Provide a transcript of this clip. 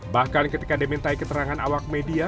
bahkan ketika dimintai keterangan awak media